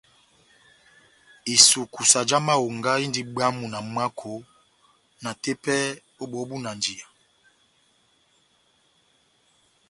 Isukusa já mahonga indi bwamu na mwako na tepɛ ó bóhó búnanjiya.